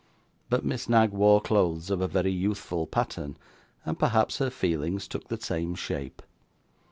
But Miss Knag wore clothes of a very youthful pattern, and perhaps her feelings took the same shape.